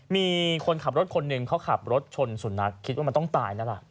มีคนขับรถคนหนึ่งเขาขับรถชนสุนัขคิดว่ามันต้องตายแล้วล่ะ